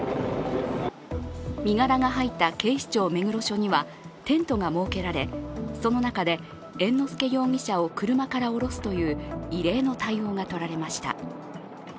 身柄が入った警視庁目黒署にはテントが設けられ、その中で猿之助容疑者を車から降ろすという異例の対応が取られました。